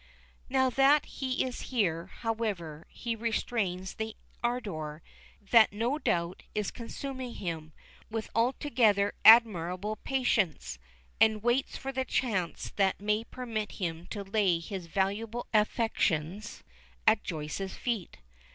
Now that he is here, however, he restrains the ardor, that no doubt is consuming him, with altogether admirable patience, and waits for the chance that may permit him to lay his valuable affections at Joyce's feet.